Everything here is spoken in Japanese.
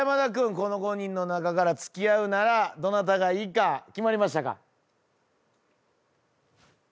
この５人の中から付き合うならどなたがいいか決まりましたか？